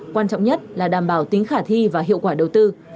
quan trọng nhất là đảm bảo tính khả thi và hiệu quả đầu tư